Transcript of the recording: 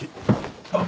あっ。